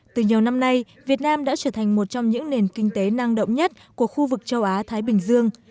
từ nhiều năm nay việt nam đã trở thành một trong những nền kinh tế năng động nhất của khu vực châu á thái bình dương